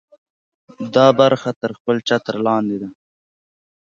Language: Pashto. دا برخه تر خپل چتر لاندې ده.